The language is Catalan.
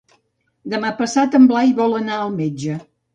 Demà passat en Blai vol anar al metge.